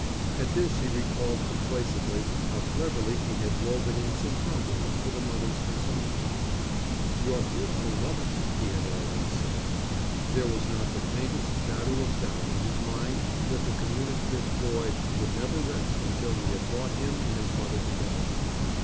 At this he recalled complacently how cleverly he had woven in some compliments for the mother's consumption. "Your beautiful mother," he had always said. There was not the faintest shadow of doubt in his mind that the communicative boy would never rest until he had brought him and his mother together.